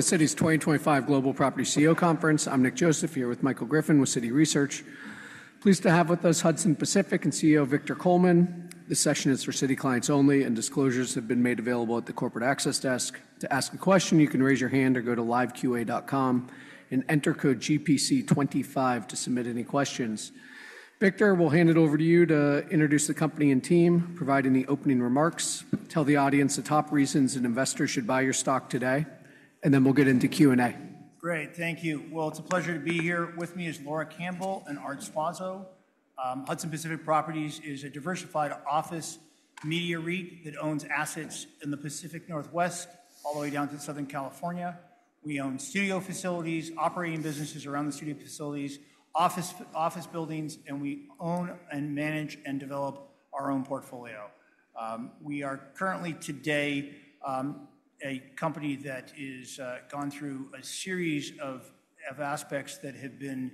The Citi's 2025 Global Property CEO Conference. I'm Nick Joseph here with Michael Griffin with Citi Research. Pleased to have with us Hudson Pacific and CEO Victor Coleman. This session is for Citi clients only, and disclosures have been made available at the corporate access desk. To ask a question, you can raise your hand or go to liveqa.com and enter code GPC25 to submit any questions. Victor, we'll hand it over to you to introduce the company and team, provide any opening remarks, tell the audience the top reasons an investor should buy your stock today, and then we'll get into Q&A. Great. Thank you. It's a pleasure to be here. With me is Laura Campbell and Art Suazo. Hudson Pacific Properties is a diversified office meteorite that owns assets in the Pacific Northwest all the way down to Southern California. We own studio facilities, operating businesses around the studio facilities, office buildings, and we own and manage and develop our own portfolio. We are currently today a company that has gone through a series of aspects that have been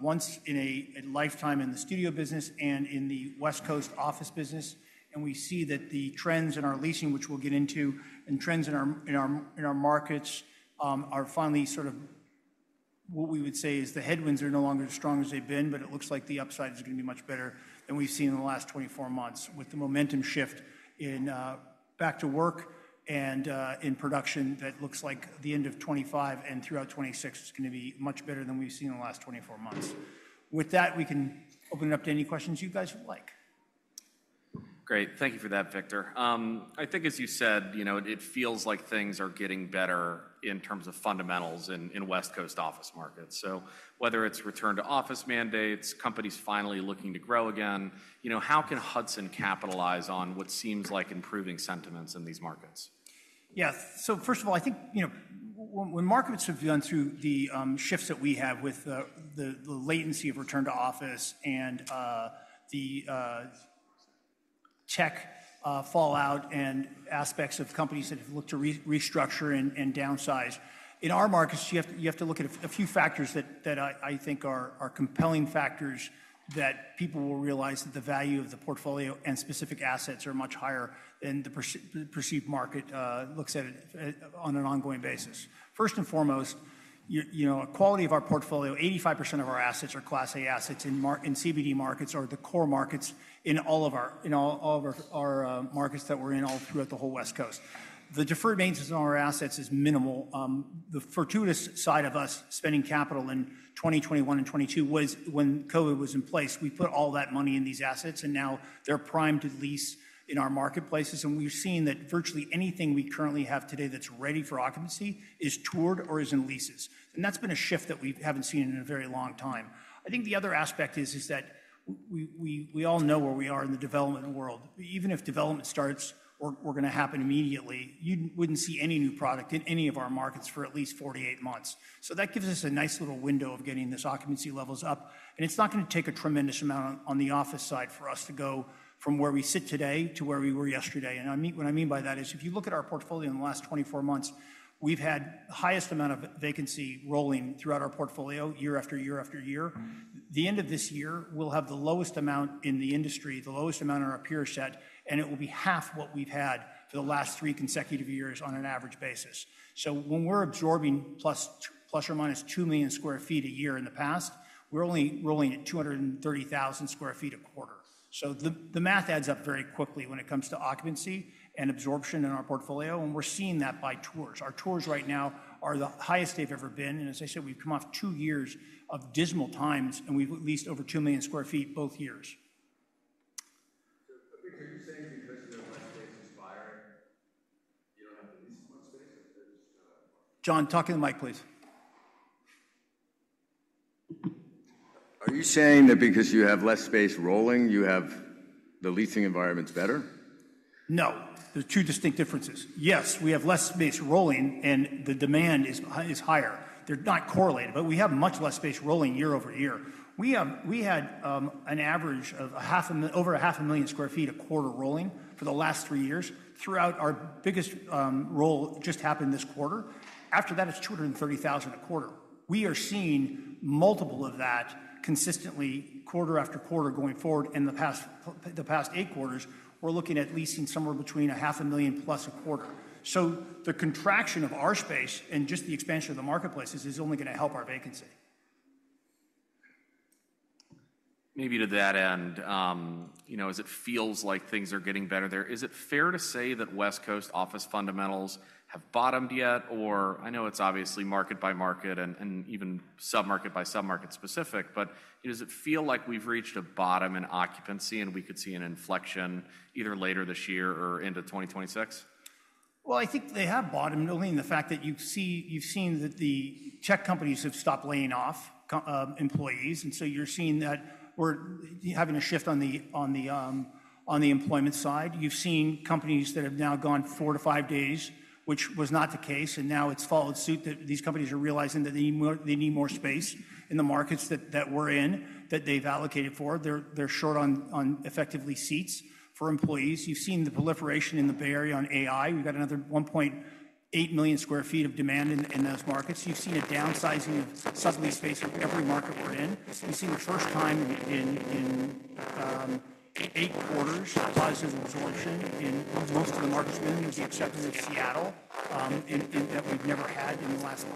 once in a lifetime in the studio business and in the West Coast office business. We see that the trends in our leasing, which we'll get into, and trends in our markets are finally sort of what we would say is the headwinds are no longer as strong as they've been, but it looks like the upside is going to be much better than we've seen in the last 24 months with the momentum shift in back to work and in production that looks like the end of 2025 and throughout 2026 is going to be much better than we've seen in the last 24 months. With that, we can open it up to any questions you guys would like. Great. Thank you for that, Victor. I think, as you said, it feels like things are getting better in terms of fundamentals in West Coast office markets. Whether it's return to office mandates, companies finally looking to grow again, how can Hudson capitalize on what seems like improving sentiments in these markets? Yes. First of all, I think when markets have gone through the shifts that we have with the latency of return to office and the tech fallout and aspects of companies that have looked to restructure and downsize, in our markets, you have to look at a few factors that I think are compelling factors that people will realize that the value of the portfolio and specific assets are much higher than the perceived market looks at it on an ongoing basis. First and foremost, quality of our portfolio, 85% of our assets are Class A assets in CBD markets or the core markets in all of our markets that we're in all throughout the whole West Coast. The deferred maintenance on our assets is minimal. The fortuitous side of us spending capital in 2021 and 2022 was when COVID was in place. We put all that money in these assets, and now they're primed to lease in our marketplaces. We've seen that virtually anything we currently have today that's ready for occupancy is toured or is in leases. That's been a shift that we haven't seen in a very long time. I think the other aspect is that we all know where we are in the development world. Even if development starts are going to happen immediately, you wouldn't see any new product in any of our markets for at least 48 months. That gives us a nice little window of getting these occupancy levels up. It's not going to take a tremendous amount on the office side for us to go from where we sit today to where we were yesterday. What I mean by that is if you look at our portfolio in the last 24 months, we've had the highest amount of vacancy rolling throughout our portfolio year after year after year. The end of this year, we'll have the lowest amount in the industry, the lowest amount in our peer set, and it will be half what we've had for the last three consecutive years on an average basis. When we're absorbing ±2 million sq ft a year in the past, we're only rolling at 230,000 sq ft a quarter. The math adds up very quickly when it comes to occupancy and absorption in our portfolio. We're seeing that by tours. Our tours right now are the highest they've ever been. As I said, we've come off two years of dismal times, and we've leased over 2 million sq ft both years. Victor, are you saying because you have less space, it's buying? You don't have the leasing space? John, talk to the mic, please. Are you saying that because you have less space rolling, you have the leasing environment is better? No. There are two distinct differences. Yes, we have less space rolling, and the demand is higher. They are not correlated, but we have much less space rolling year-over-year. We had an average of over 500,000 sq ft a quarter rolling for the last three years. Throughout, our biggest roll just happened this quarter. After that, it is 230,000 sq ft a quarter. We are seeing multiples of that consistently quarter after quarter going forward. In the past eight quarters, we are looking at leasing somewhere between 500,000 sq ft plus a quarter. The contraction of our space and just the expansion of the marketplaces is only going to help our vacancy. Maybe to that end, as it feels like things are getting better there, is it fair to say that West Coast office fundamentals have bottomed yet? I know it's obviously market by market and even sub-market by sub-market specific, but does it feel like we've reached a bottom in occupancy and we could see an inflection either later this year or into 2026? I think they have bottomed only in the fact that you've seen that the tech companies have stopped laying off employees. You're seeing that we're having a shift on the employment side. You've seen companies that have now gone four to five days, which was not the case. It has followed suit that these companies are realizing that they need more space in the markets that we're in that they've allocated for. They're short on effectively seats for employees. You've seen the proliferation in the Bay Area on AI. We've got another 1.8 million sq ft of demand in those markets. You've seen a downsizing of suddenly space for every market we're in. We've seen the first time in eight quarters of absorption in most of the markets, mainly the exception of Seattle, that we've never had in the last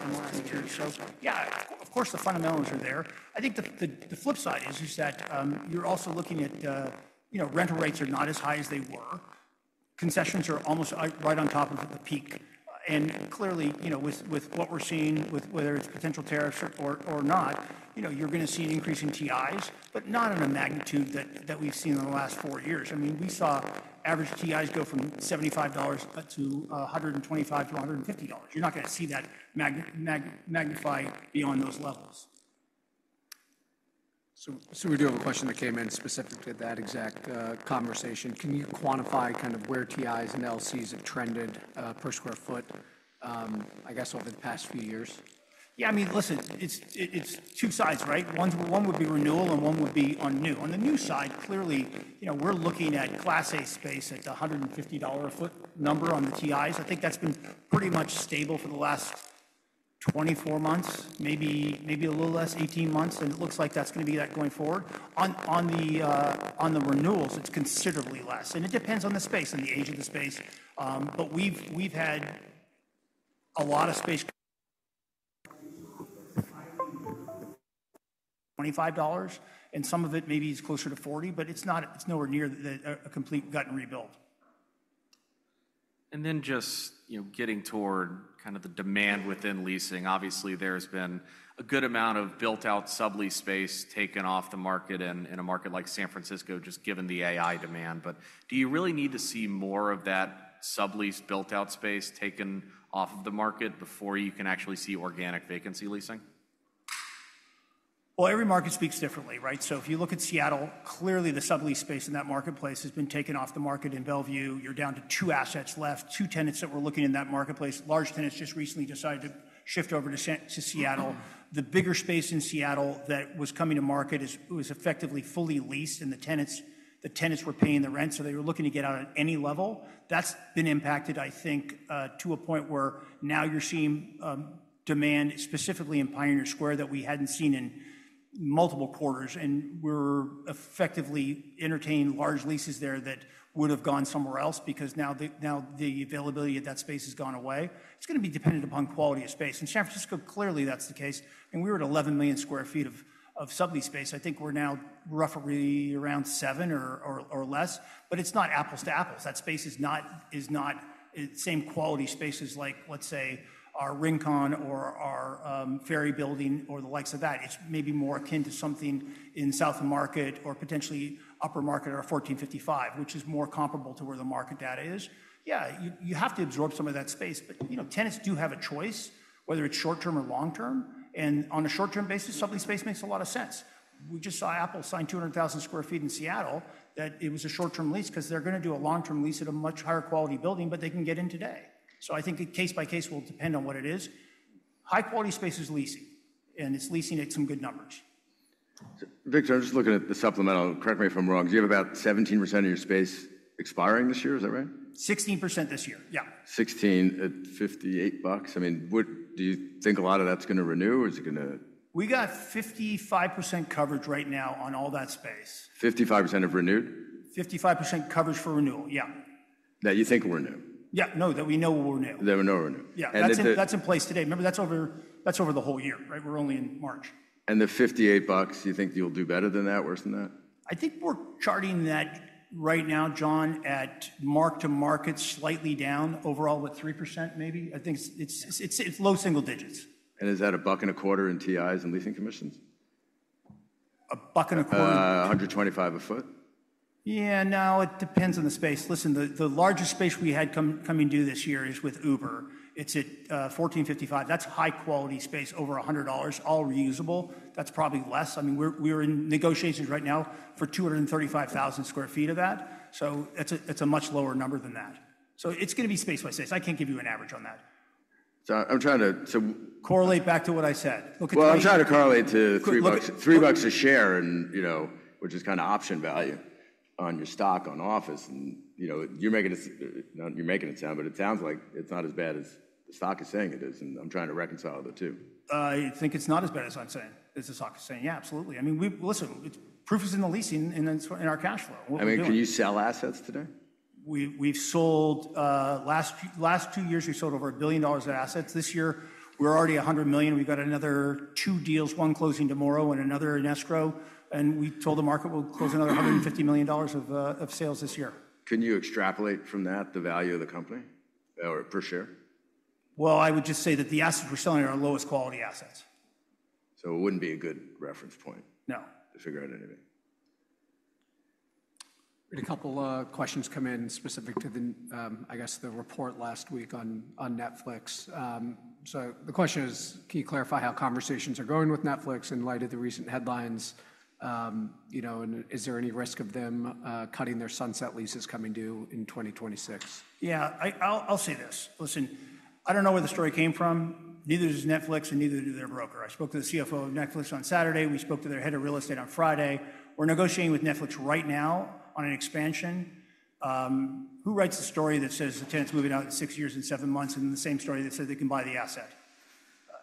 year or so. Yeah, of course, the fundamentals are there. I think the flip side is that you're also looking at rental rates are not as high as they were. Concessions are almost right on top of the peak. Clearly, with what we're seeing, whether it's potential tariffs or not, you're going to see an increase in TIs, but not on a magnitude that we've seen in the last four years. I mean, we saw average TIs go from $75 to $125 to $150. You're not going to see that magnify beyond those levels. We do have a question that came in specific to that exact conversation. Can you quantify kind of where TIs and LCs have trended per square foot, I guess, over the past few years? Yeah, I mean, listen, it's two sides, right? One would be renewal and one would be on new. On the new side, clearly, we're looking at Class A space at the $150 a foot number on the TIs. I think that's been pretty much stable for the last 24 months, maybe a little less, 18 months. It looks like that's going to be that going forward. On the renewals, it's considerably less. It depends on the space and the age of the space. We've had a lot of space. $25, and some of it maybe is closer to $40, but it's nowhere near a complete gut and rebuild. Just getting toward kind of the demand within leasing, obviously, there has been a good amount of built-out sublease space taken off the market in a market like San Francisco just given the AI demand. Do you really need to see more of that sublease built-out space taken off of the market before you can actually see organic vacancy leasing? Every market speaks differently, right? If you look at Seattle, clearly, the sublease space in that marketplace has been taken off the market. In Bellevue, you're down to two assets left, two tenants that were looking in that marketplace. Large tenants just recently decided to shift over to Seattle. The bigger space in Seattle that was coming to market was effectively fully leased, and the tenants were paying the rent. They were looking to get out at any level. That's been impacted, I think, to a point where now you're seeing demand specifically in Pioneer Square that we hadn't seen in multiple quarters. We're effectively entertaining large leases there that would have gone somewhere else because now the availability of that space has gone away. It's going to be dependent upon quality of space. In San Francisco, clearly, that's the case. We were at 11 million sq ft of sublease space. I think we're now roughly around seven or less. It is not apples to apples. That space is not the same quality space as, let's say, our Rincon or our Ferry Building or the likes of that. It is maybe more akin to something in South of Market or potentially Upper Market or 1455, which is more comparable to where the market data is. You have to absorb some of that space. Tenants do have a choice, whether it is short-term or long-term. On a short-term basis, sublease space makes a lot of sense. We just saw Apple sign 200,000 sq ft in Seattle that was a short-term lease because they are going to do a long-term lease at a much higher quality building, but they can get in today. I think case by case will depend on what it is. High-quality space is leasing, and it's leasing at some good numbers. Victor, I'm just looking at the supplemental. Correct me if I'm wrong. Do you have about 17% of your space expiring this year? Is that right? 16% this year. Yeah. 16 at $58. I mean, do you think a lot of that's going to renew or is it going to? We got 55% coverage right now on all that space. 55% of renewed? 55% coverage for renewal. Yeah. That you think will renew? Yeah. No, that we know will renew. That you know will renew. Yeah. That's in place today. Remember, that's over the whole year, right? We're only in March. The $58, you think you'll do better than that, worse than that? I think we're charting that right now, John, at mark to market slightly down overall at 3% maybe. I think it's low single-digits. Is that a buck and a quarter in TIs and leasing commissions? A buck and a quarter? $125 a foot? Yeah. No, it depends on the space. Listen, the largest space we had come and do this year is with Uber. It's at 1455. That's high-quality space over $100, all reusable. That's probably less. I mean, we're in negotiations right now for 235,000 sq ft of that. It's a much lower number than that. It's going to be space by space. I can't give you an average on that. I'm trying to. Correlate back to what I said. I'm trying to correlate to $3 a share, which is kind of option value on your stock on office. You're making it sound, but it sounds like it's not as bad as the stock is saying it is. I'm trying to reconcile the two. I think it's not as bad as I'm saying, as the stock is saying. Yeah, absolutely. I mean, listen, proof is in the leasing and in our cash flow. I mean, can you sell assets today? Last two years, we sold over $1 billion of assets. This year, we're already $100 million. We've got another two deals, one closing tomorrow and another in Escrow. We told the market we'll close another $150 million of sales this year. Can you extrapolate from that the value of the company or per share? I would just say that the assets we're selling are our lowest quality assets. It wouldn't be a good reference point. No. To figure out anything. We had a couple of questions come in specific to, I guess, the report last week on Netflix. The question is, can you clarify how conversations are going with Netflix in light of the recent headlines? Is there any risk of them cutting their Sunset leases coming due in 2026? Yeah, I'll say this. Listen, I don't know where the story came from. Neither is Netflix and neither is their broker. I spoke to the CFO of Netflix on Saturday. We spoke to their head of real estate on Friday. We're negotiating with Netflix right now on an expansion. Who writes the story that says the tenants are moving out in six years and seven months and the same story that says they can buy the asset?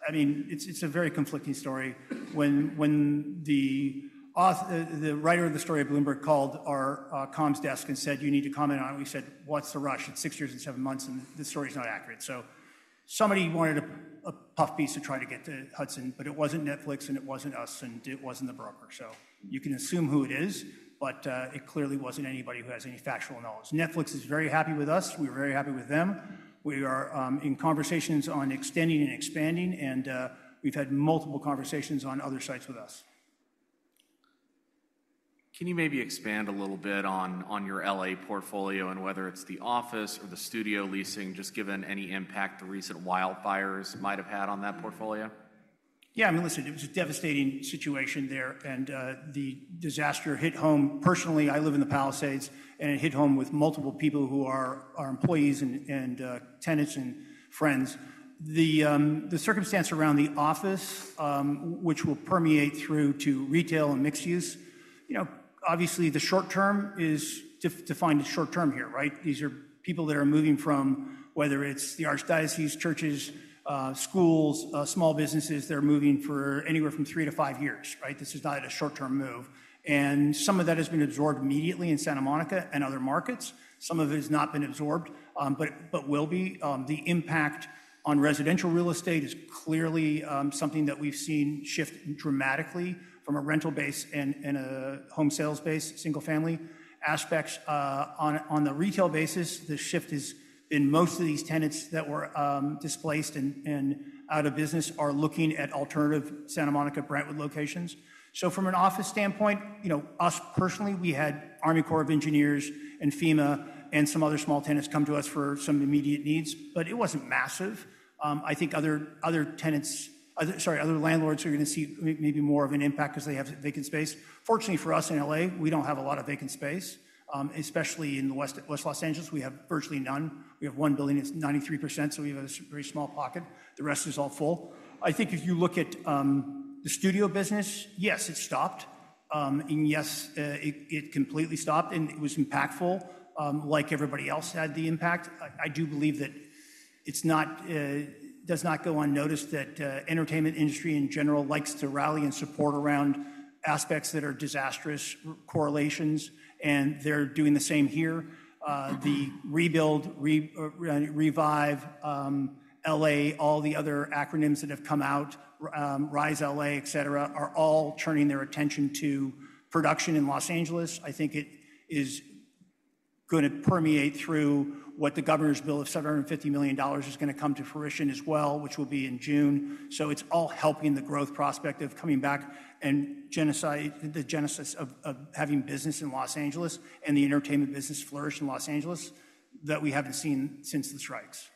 I mean, it's a very conflicting story. When the writer of the story at Bloomberg called our comms desk and said, "You need to comment on it," we said, "What's the rush? It's six years and seven months, and the story is not accurate." Somebody wanted a puff piece to try to get to Hudson, but it wasn't Netflix, and it wasn't us, and it wasn't the broker. You can assume who it is, but it clearly was not anybody who has any factual knowledge. Netflix is very happy with us. We are very happy with them. We are in conversations on extending and expanding, and we have had multiple conversations on other sites with us. Can you maybe expand a little bit on your LA portfolio and whether it's the office or the studio leasing, just given any impact the recent wildfires might have had on that portfolio? Yeah. I mean, listen, it was a devastating situation there, and the disaster hit home. Personally, I live in the Palisades, and it hit home with multiple people who are our employees and tenants and friends. The circumstance around the office, which will permeate through to retail and mixed use, obviously, the short term is defined as short term here, right? These are people that are moving from whether it's the Archdiocese, churches, schools, small businesses that are moving for anywhere from three to five years, right? This is not a short-term move. Some of that has been absorbed immediately in Santa Monica and other markets. Some of it has not been absorbed, but will be. The impact on residential real estate is clearly something that we've seen shift dramatically from a rental base and a home sales base, single-family aspects. On the retail basis, the shift has been most of these tenants that were displaced and out of business are looking at alternative Santa Monica Brentwood locations. From an office standpoint, us personally, we had Army Corps of Engineers and FEMA and some other small tenants come to us for some immediate needs, but it wasn't massive. I think other tenants, sorry, other landlords are going to see maybe more of an impact because they have vacant space. Fortunately for us in LA, we don't have a lot of vacant space, especially in West Los Angeles. We have virtually none. We have one building. It's 93%, so we have a very small pocket. The rest is all full. I think if you look at the studio business, yes, it stopped. Yes, it completely stopped, and it was impactful. Like everybody else had the impact. I do believe that it does not go unnoticed that the entertainment industry in general likes to rally and support around aspects that are disastrous correlations, and they're doing the same here. The rebuild, revive, LA, all the other acronyms that have come out, Rise LA, etc., are all turning their attention to production in Los Angeles. I think it is going to permeate through what the governor's bill of $750 million is going to come to fruition as well, which will be in June. It is all helping the growth prospect of coming back and the genesis of having business in Los Angeles and the entertainment business flourish in Los Angeles that we haven't seen since the strikes.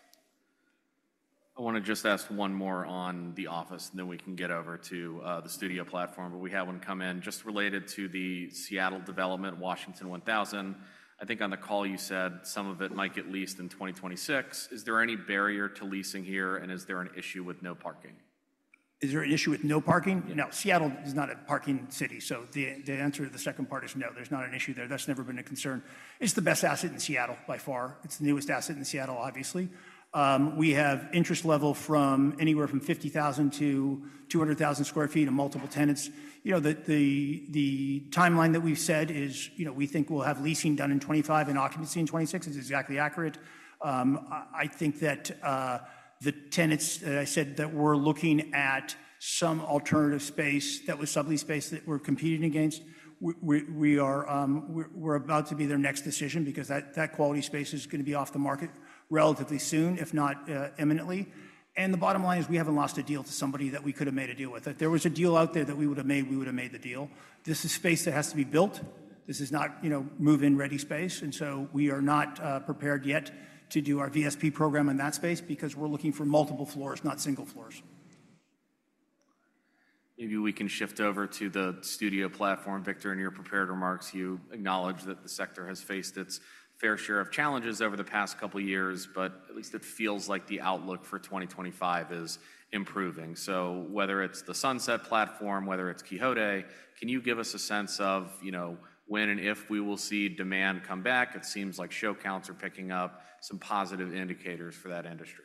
I want to just ask one more on the office, and then we can get over to the studio platform. We had one come in just related to the Seattle development, Washington 1000. I think on the call, you said some of it might get leased in 2026. Is there any barrier to leasing here, and is there an issue with no parking? Is there an issue with no parking? No, Seattle is not a parking city. The answer to the second part is no. There's not an issue there. That's never been a concern. It's the best asset in Seattle by far. It's the newest asset in Seattle, obviously. We have interest level from anywhere from 50,000-200,000 sq ft and multiple tenants. The timeline that we've said is we think we'll have leasing done in 2025 and occupancy in 2026. It's exactly accurate. I think that the tenants that I said that we're looking at some alternative space that was sublease space that we're competing against, we're about to be their next decision because that quality space is going to be off the market relatively soon, if not imminently. The bottom line is we haven't lost a deal to somebody that we could have made a deal with. If there was a deal out there that we would have made, we would have made the deal. This is space that has to be built. This is not move-in ready space. We are not prepared yet to do our VSP program in that space because we're looking for multiple floors, not single floors. Maybe we can shift over to the studio platform. Victor, in your prepared remarks, you acknowledge that the sector has faced its fair share of challenges over the past couple of years, but at least it feels like the outlook for 2025 is improving. Whether it's the Sunset platform, whether it's Quixote, can you give us a sense of when and if we will see demand come back? It seems like show counts are picking up some positive indicators for that industry.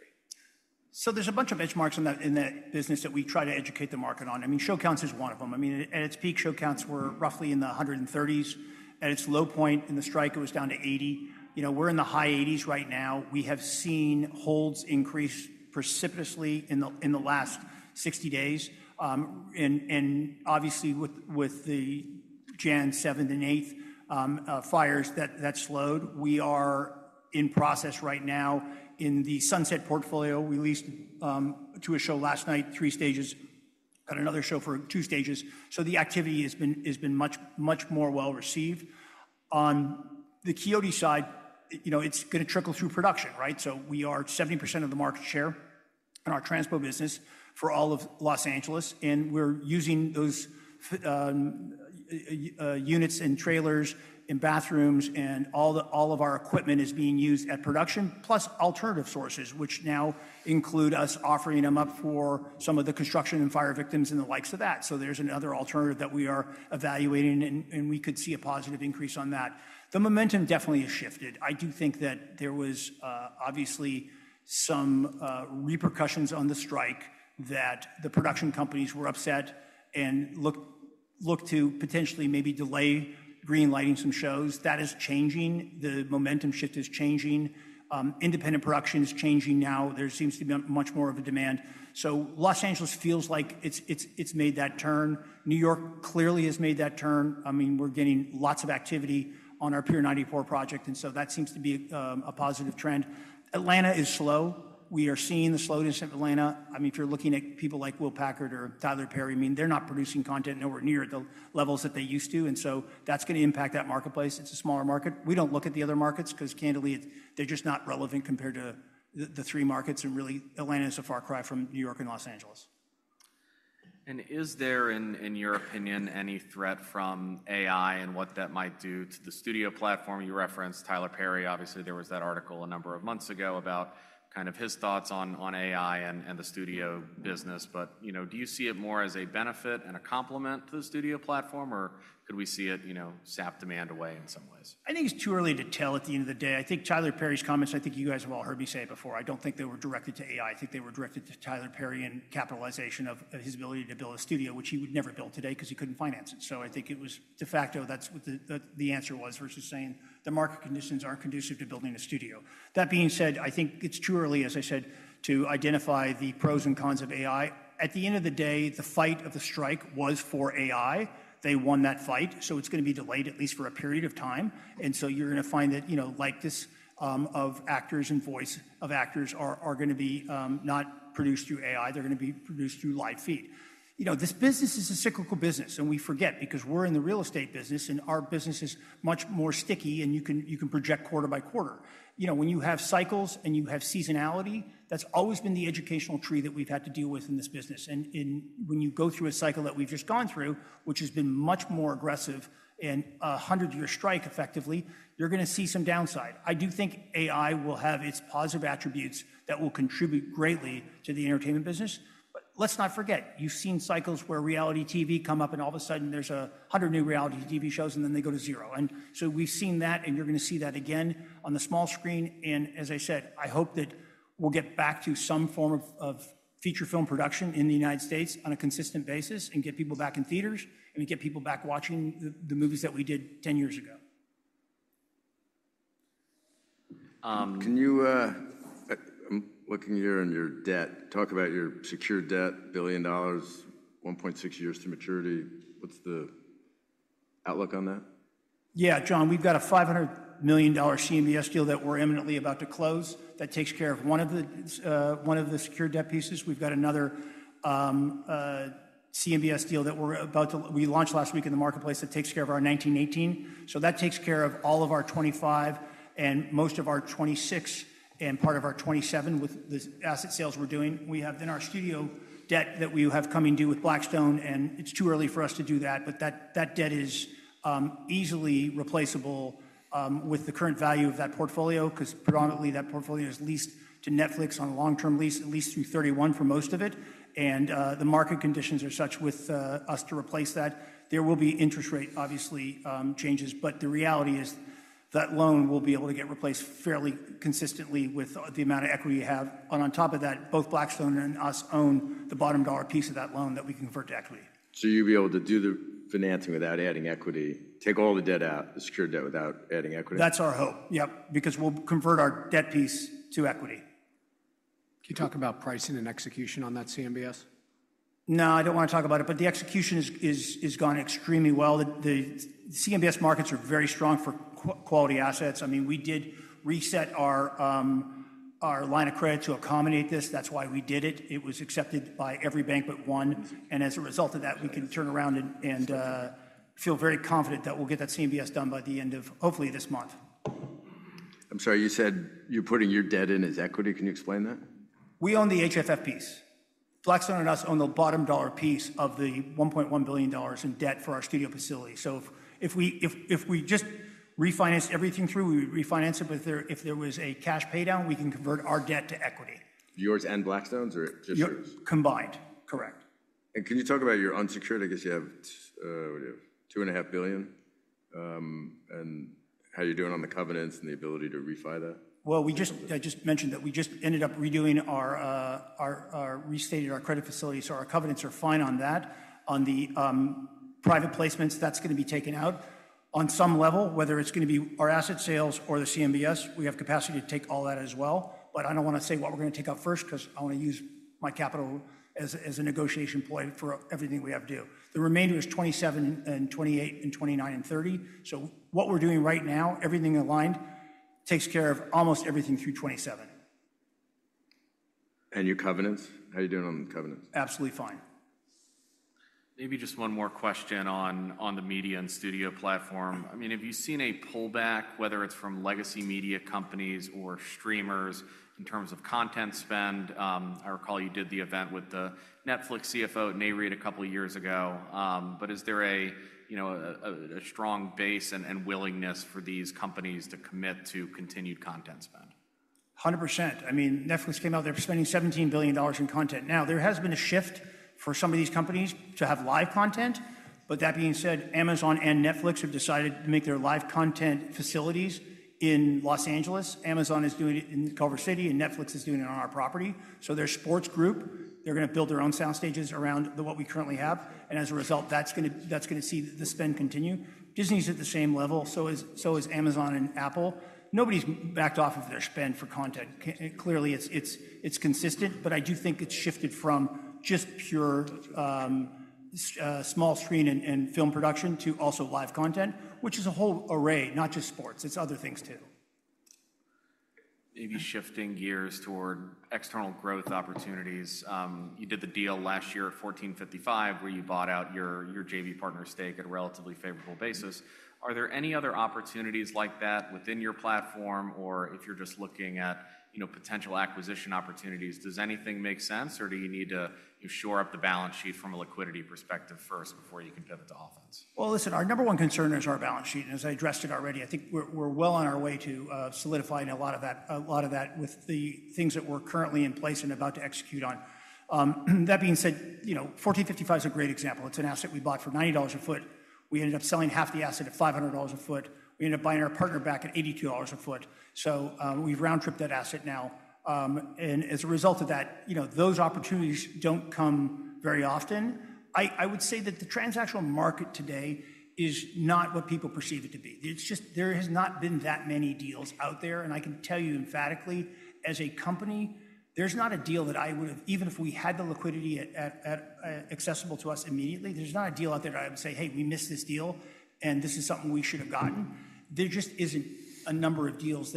There is a bunch of benchmarks in that business that we try to educate the market on. I mean, show counts is one of them. I mean, at its peak, show counts were roughly in the 130s. At its low point in the strike, it was down to 80. We are in the high 80s right now. We have seen holds increase precipitously in the last 60 days. Obviously, with the January 7th and 8th fires, that slowed. We are in process right now in the Sunset portfolio. We leased to a show last night, three stages, got another show for two stages. The activity has been much more well received. On the Quixote side, it is going to trickle through production, right? We are 70% of the market share in our transpo business for all of Los Angeles. We're using those units and trailers and bathrooms, and all of our equipment is being used at production, plus alternative sources, which now include us offering them up for some of the construction and fire victims and the likes of that. There is another alternative that we are evaluating, and we could see a positive increase on that. The momentum definitely has shifted. I do think that there was obviously some repercussions on the strike that the production companies were upset and looked to potentially maybe delay greenlighting some shows. That is changing. The momentum shift is changing. Independent production is changing now. There seems to be much more of a demand. Los Angeles feels like it's made that turn. New York clearly has made that turn. I mean, we're getting lots of activity on our Pier 94 project, and that seems to be a positive trend. Atlanta is slow. We are seeing the slowness in Atlanta. I mean, if you're looking at people like Will Packer or Tyler Perry, I mean, they're not producing content nowhere near the levels that they used to. That is going to impact that marketplace. It's a smaller market. We don't look at the other markets because candidly, they're just not relevant compared to the three markets. Really, Atlanta is a far cry from New York and Los Angeles. Is there, in your opinion, any threat from AI and what that might do to the studio platform you referenced? Tyler Perry, obviously, there was that article a number of months ago about kind of his thoughts on AI and the studio business. Do you see it more as a benefit and a compliment to the studio platform, or could we see it sap demand away in some ways? I think it's too early to tell at the end of the day. I think Tyler Perry's comments, I think you guys have all heard me say it before. I don't think they were directed to AI. I think they were directed to Tyler Perry and capitalization of his ability to build a studio, which he would never build today because he couldn't finance it. I think it was de facto that's what the answer was versus saying the market conditions aren't conducive to building a studio. That being said, I think it's too early, as I said, to identify the pros and cons of AI. At the end of the day, the fight of the strike was for AI. They won that fight. It's going to be delayed at least for a period of time. You're going to find that like this of actors and voice of actors are going to be not produced through AI. They're going to be produced through live feed. This business is a cyclical business, and we forget because we're in the real estate business, and our business is much more sticky, and you can project quarter by quarter. When you have cycles and you have seasonality, that's always been the educational tree that we've had to deal with in this business. When you go through a cycle that we've just gone through, which has been much more aggressive and a hundred-year strike effectively, you're going to see some downside. I do think AI will have its positive attributes that will contribute greatly to the entertainment business. Let's not forget, you've seen cycles where reality TV come up, and all of a sudden, there's a hundred new reality TV shows, and then they go to zero. We've seen that, and you're going to see that again on the small screen. As I said, I hope that we'll get back to some form of feature film production in the United States on a consistent basis and get people back in theaters and get people back watching the movies that we did 10 years ago. Can you, looking here in your debt, talk about your secured debt, $1 billion, 1.6 years to maturity? What's the outlook on that? Yeah, John, we've got a $500 million CMBS deal that we're imminently about to close that takes care of one of the secure debt pieces. We've got another CMBS deal that we launched last week in the marketplace that takes care of our 1918. That takes care of all of our 2025 and most of our 2026 and part of our 2027 with the asset sales we're doing. We have in our studio debt that we have coming due with Blackstone, and it's too early for us to do that, but that debt is easily replaceable with the current value of that portfolio because predominantly that portfolio is leased to Netflix on a long-term lease, at least through 2031 for most of it. The market conditions are such with us to replace that. There will be interest rate, obviously, changes, but the reality is that loan will be able to get replaced fairly consistently with the amount of equity you have. On top of that, both Blackstone and us own the bottom dollar piece of that loan that we can convert to equity. You'd be able to do the financing without adding equity, take all the debt out, the secure debt without adding equity? That's our hope, yep, because we'll convert our debt piece to equity. Can you talk about pricing and execution on that CMBS? No, I don't want to talk about it, but the execution has gone extremely well. The CMBS markets are very strong for quality assets. I mean, we did reset our line of credit to accommodate this. That's why we did it. It was accepted by every bank but one. As a result of that, we can turn around and feel very confident that we'll get that CMBS done by the end of hopefully this month. I'm sorry, you said you're putting your debt in as equity. Can you explain that? We own the HFF piece. Blackstone and us own the bottom dollar piece of the $1.1 billion in debt for our studio facility. If we just refinance everything through, we would refinance it. If there was a cash paydown, we can convert our debt to equity. Yours and Blackstone's or just yours? Combined, correct. Can you talk about your unsecured? I guess you have $2.5 billion. How are you doing on the covenants and the ability to refund that? I just mentioned that we just ended up redoing our restated our credit facility. Our covenants are fine on that. On the private placements, that's going to be taken out on some level, whether it's going to be our asset sales or the CMBS, we have capacity to take all that as well. I don't want to say what we're going to take out first because I want to use my capital as a negotiation point for everything we have to do. The remainder is 2027 and 2028 and 2029 and 2030. What we're doing right now, everything aligned, takes care of almost everything through 2027. Your covenants? How are you doing on covenants? Absolutely fine. Maybe just one more question on the media and studio platform. I mean, have you seen a pullback, whether it's from legacy media companies or streamers in terms of content spend? I recall you did the event with the Netflix CFO at [Nareit] a couple of years ago. Is there a strong base and willingness for these companies to commit to continued content spend? 100%. I mean, Netflix came out. They're spending $17 billion in content. Now, there has been a shift for some of these companies to have live content. That being said, Amazon and Netflix have decided to make their live content facilities in Los Angeles. Amazon is doing it in Culver city, and Netflix is doing it on our property. Their sports group, they're going to build their own sound stages around what we currently have. As a result, that's going to see the spend continue. Disney's at the same level, so is Amazon and Apple. Nobody's backed off of their spend for content. Clearly, it's consistent, but I do think it's shifted from just pure small screen and film production to also live content, which is a whole array, not just sports. It's other things too. Maybe shifting gears toward external growth opportunities. You did the deal last year at 1455, where you bought out your JV partner stake at a relatively favorable basis. Are there any other opportunities like that within your platform, or if you're just looking at potential acquisition opportunities, does anything make sense, or do you need to shore up the balance sheet from a liquidity perspective first before you can pivot to offense? Our number one concern is our balance sheet. As I addressed it already, I think we're well on our way to solidifying a lot of that with the things that are currently in place and about to execute on. That being said, 1455 is a great example. It's an asset we bought for $90 a sq ft. We ended up selling half the asset at $500 a sq ft. We ended up buying our partner back at $82 a sq ft. We have round-tripped that asset now. As a result of that, those opportunities do not come very often. I would say that the transactional market today is not what people perceive it to be. There have not been that many deals out there. I can tell you emphatically, as a company, there's not a deal that I would have, even if we had the liquidity accessible to us immediately, there's not a deal out there that I would say, "Hey, we missed this deal, and this is something we should have gotten." There just isn't a number of deals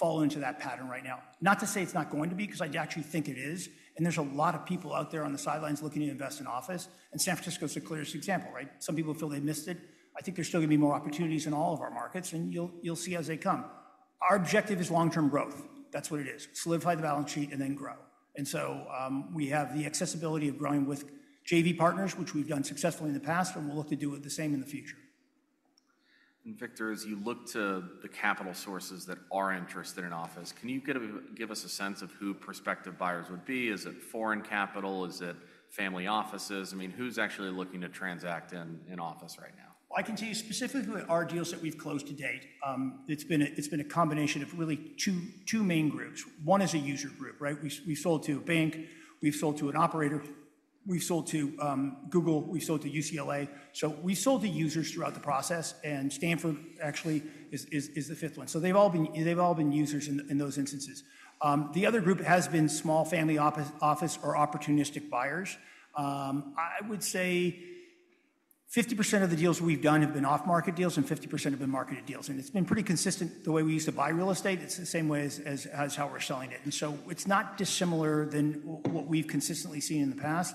that fall into that pattern right now. Not to say it's not going to be because I actually think it is. There are a lot of people out there on the sidelines looking to invest in office. San Francisco is the clearest example, right? Some people feel they missed it. I think there's still going to be more opportunities in all of our markets, and you'll see as they come. Our objective is long-term growth. That's what it is. Solidify the balance sheet and then grow. We have the accessibility of growing with JV partners, which we've done successfully in the past, and we'll look to do it the same in the future. Victor, as you look to the capital sources that are interested in office, can you give us a sense of who prospective buyers would be? Is it foreign capital? Is it family offices? I mean, who's actually looking to transact in office right now? I can tell you specifically our deals that we've closed to date. It's been a combination of really two main groups. One is a user group, right? We've sold to a bank. We've sold to an operator. We've sold to Google. We've sold to UCLA. We sold to users throughout the process. And Stanford actually is the fifth one. They've all been users in those instances. The other group has been small family office or opportunistic buyers. I would say 50% of the deals we've done have been off-market deals, and 50% have been marketed deals. It's been pretty consistent the way we used to buy real estate. It's the same way as how we're selling it. It's not dissimilar than what we've consistently seen in the past.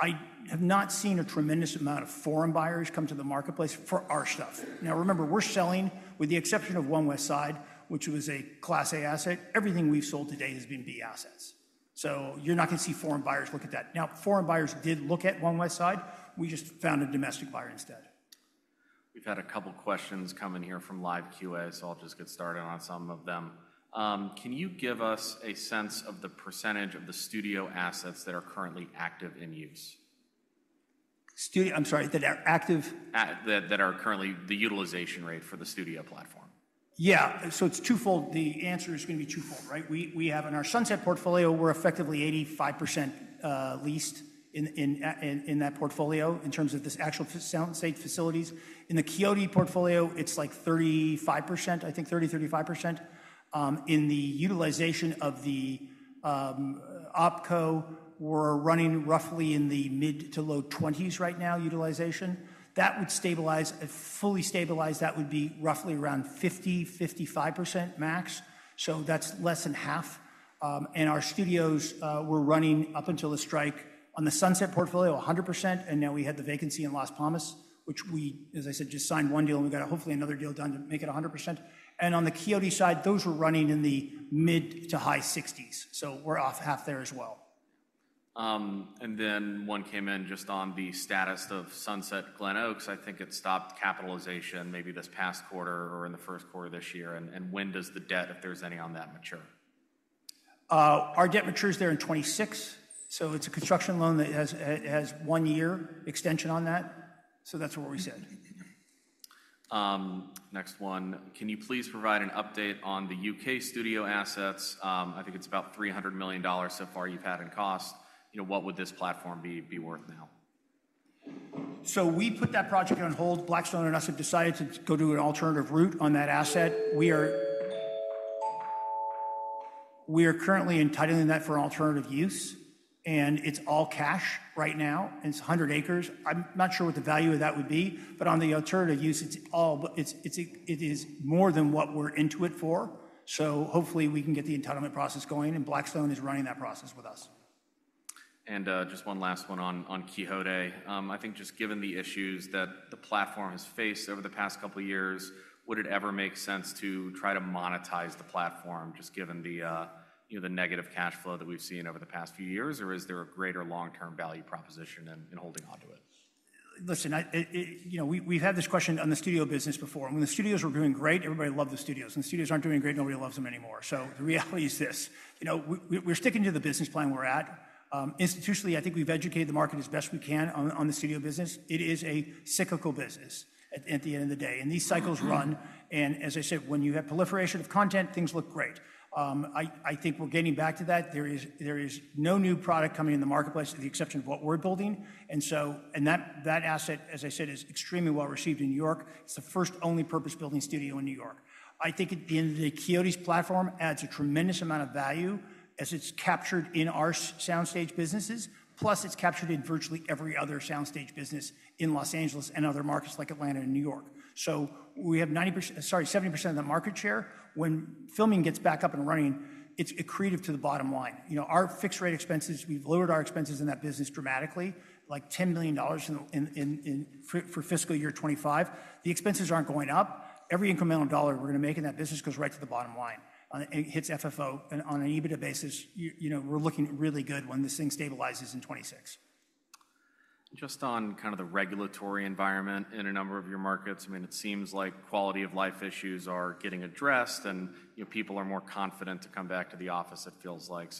I have not seen a tremendous amount of foreign buyers come to the marketplace for our stuff. Now, remember, we're selling with the exception of One Westside, which was a Class A asset. Everything we've sold today has been B assets. So you're not going to see foreign buyers look at that. Now, foreign buyers did look at One Westside. We just found a domestic buyer instead. We've had a couple of questions come in here from live Q&A, so I'll just get started on some of them. Can you give us a sense of the percentage of the studio assets that are currently active in use? I'm sorry, that are active? That are currently the utilization rate for the studio platform. Yeah. So it's twofold. The answer is going to be twofold, right? In our Sunset portfolio, we're effectively 85% leased in that portfolio in terms of this actual sound stage facilities. In the Quixote portfolio, it's like 35%, I think 30%-35%. In the utilization of the OpCo, we're running roughly in the mid to low 20s right now utilization. That would stabilize, fully stabilize, that would be roughly around 50-55% max. So that's less than half. Our studios were running up until the strike on the Sunset portfolio 100%. Now we had the vacancy in Las Palmas, which we, as I said, just signed one deal, and we got hopefully another deal done to make it 100%. On the Quixote side, those were running in the mid to high 60s. So we're off half there as well. One came in just on the status of Sunset Glen Oaks. I think it stopped capitalization maybe this past quarter or in the first quarter of this year. When does the debt, if there's any on that, mature? Our debt matures there in 2026. It is a construction loan that has one year extension on that. That is what we said. Next one. Can you please provide an update on the U.K. studio assets? I think it's about $300 million so far you've had in cost. What would this platform be worth now? We put that project on hold. Blackstone and us have decided to go to an alternative route on that asset. We are currently entitling that for alternative use. It is all cash right now. It is 100 acres. I'm not sure what the value of that would be. On the alternative use, it is more than what we're into it for. Hopefully we can get the entitlement process going. Blackstone is running that process with us. Just one last one on Quixote. I think just given the issues that the platform has faced over the past couple of years, would it ever make sense to try to monetize the platform just given the negative cash flow that we've seen over the past few years? Is there a greater long-term value proposition in holding onto it? Listen, we've had this question on the studio business before. When the studios were doing great, everybody loved the studios. When the studios aren't doing great, nobody loves them anymore. The reality is this. We're sticking to the business plan we're at. Institutionally, I think we've educated the market as best we can on the studio business. It is a cyclical business at the end of the day. These cycles run. As I said, when you have proliferation of content, things look great. I think we're getting back to that. There is no new product coming in the marketplace to the exception of what we're building. That asset, as I said, is extremely well received in New York. It's the first only purpose-building studio in New York. I think the Quixote platform adds a tremendous amount of value as it's captured in our sound stage businesses, plus it's captured in virtually every other sound stage business in Los Angeles and other markets like Atlanta and New York. We have 70% of the market share. When filming gets back up and running, it's accretive to the bottom line. Our fixed-rate expenses, we've lowered our expenses in that business dramatically, like $10 million for fiscal year 2025. The expenses aren't going up. Every incremental dollar we're going to make in that business goes right to the bottom line. It hits FFO on an EBITDA basis. We're looking really good when this thing stabilizes in 2026. Just on kind of the regulatory environment in a number of your markets, I mean, it seems like quality of life issues are getting addressed and people are more confident to come back to the office, it feels like.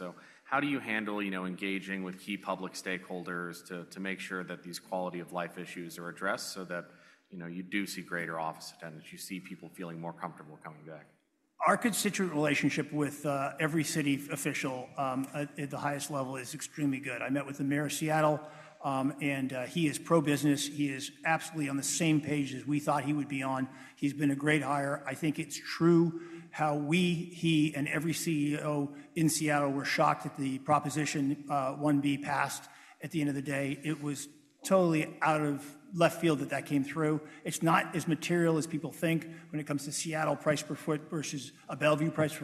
How do you handle engaging with key public stakeholders to make sure that these quality of life issues are addressed so that you do see greater office attendance, you see people feeling more comfortable coming back? Our constituent relationship with every city official at the highest level is extremely good. I met with the mayor of Seattle, and he is pro-business. He is absolutely on the same page as we thought he would be on. He's been a great hire. I think it's true how we, he, and every CEO in Seattle were shocked at the Proposition 1B passed. At the end of the day, it was totally out of left field that that came through. It's not as material as people think when it comes to Seattle price per foot versus a Bellevue price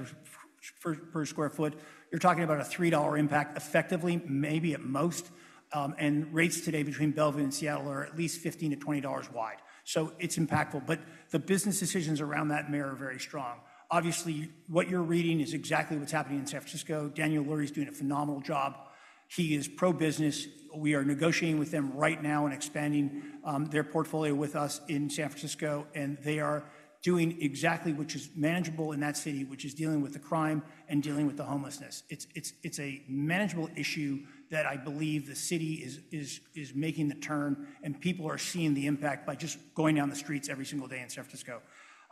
per square foot. You're talking about a $3 impact effectively, maybe at most. Rates today between Bellevue and Seattle are at least $15-$20 wide. It is impactful. The business decisions around that mayor are very strong. Obviously, what you're reading is exactly what's happening in San Francisco. Daniel Lurie is doing a phenomenal job. He is pro-business. We are negotiating with them right now and expanding their portfolio with us in San Francisco. They are doing exactly what is manageable in that city, which is dealing with the crime and dealing with the homelessness. It's a manageable issue that I believe the city is making the turn, and people are seeing the impact by just going down the streets every single day in San Francisco.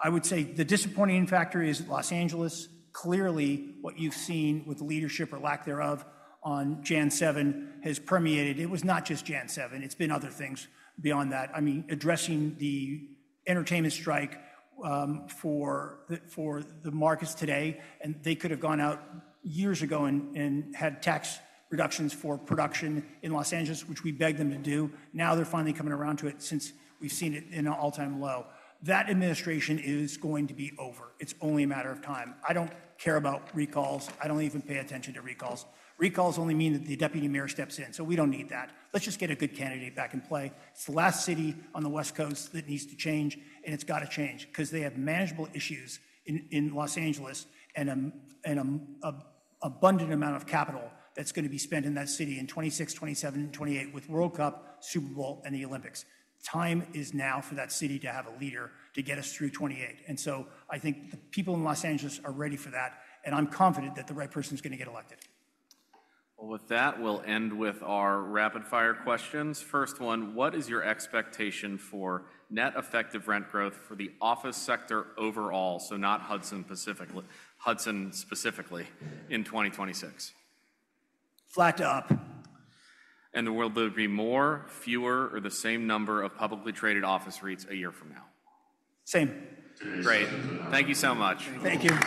I would say the disappointing factor is Los Angeles. Clearly, what you've seen with leadership or lack thereof on January 7 has permeated. It was not just January 7. It's been other things beyond that. I mean, addressing the entertainment strike for the markets today. They could have gone out years ago and had tax reductions for production in Los Angeles, which we begged them to do. Now they're finally coming around to it since we've seen it in an all-time low. That administration is going to be over. It's only a matter of time. I don't care about recalls. I don't even pay attention to recalls. Recalls only mean that the deputy mayor steps in. So we don't need that. Let's just get a good candidate back in play. It's the last city on the West Coast that needs to change, and it's got to change because they have manageable issues in Los Angeles and an abundant amount of capital that's going to be spent in that city in 2026, 2027, and 2028 with World Cup, Super Bowl, and the Olympics. Time is now for that city to have a leader to get us through 2028. I think the people in Los Angeles are ready for that, and I'm confident that the right person is going to get elected. With that, we'll end with our rapid-fire questions. First one, what is your expectation for net effective rent growth for the office sector overall? Not Hudson Pacific, Hudson specifically in 2026. [Flat up]. Will there be more, fewer, or the same number of publicly traded office REITs a year from now? Same. Great. Thank you so much. Thank you.